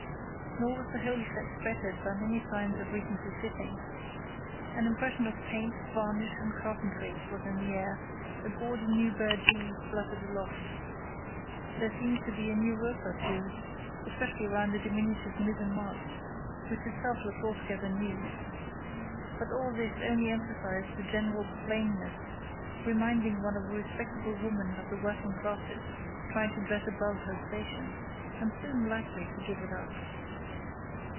Nor was the whole effect bettered by many signs of recent refitting. An impression of paint, varnish, and carpentry was in the air; a gaudy new burgee fluttered aloft; there seemed to be a new rope or two, especially round the diminutive mizzen mast, which itself looked altogether new. But all this only emphasised the general plainness, reminding one of a respectable woman of the working classes trying to dress above her station, and soon likely to give it up.